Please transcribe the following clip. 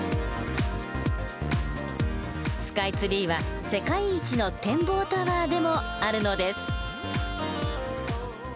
スカイツリーは世界一の展望タワーでもあるのです。